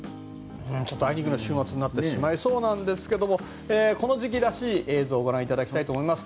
ちょっとあいにくな週末となってしまいそうなんですがこの時期らしい映像をご覧いただきたいと思います。